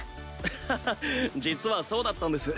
あははっ実はそうだったんです。